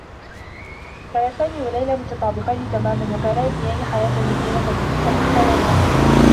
كان سامي و ليلى متطابقين تماما و كانا يبنيان حياة جديرة بقصة خيالية.